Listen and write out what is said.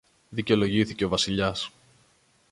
δικαιολογήθηκε ο Βασιλιάς